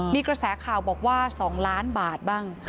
มีกระแสข่าวบอกว่า๒ล้านบาทบ้าง